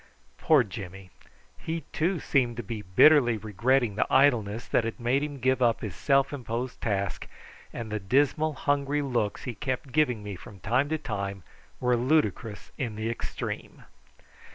Poor Jimmy! He too seemed to be bitterly regretting the idleness that had made him give up his self imposed task, and the dismal hungry looks he kept giving me from time to time were ludicrous in the extreme.